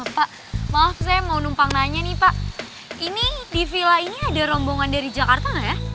pak maaf saya mau numpang nanya nih pak ini di villa ini ada rombongan dari jakarta nggak ya